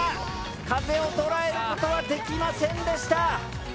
風を捉える事はできませんでした。